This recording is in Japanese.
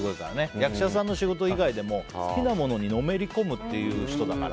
役者さんの仕事以外でも好きなものにのめり込むから。